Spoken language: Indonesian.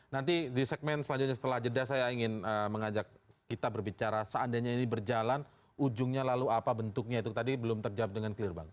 nanti di segmen selanjutnya setelah jeda saya ingin mengajak kita berbicara seandainya ini berjalan ujungnya lalu apa bentuknya itu tadi belum terjawab dengan clear bang